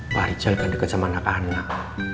pak rijal kan deket sama anak anak